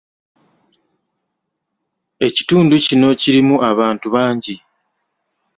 Ekitundu kino kirimu abantu bangi.